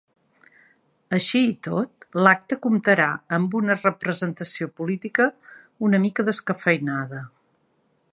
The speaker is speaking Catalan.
Així i tot, l’acte comptarà amb una representació política una mica descafeïnada.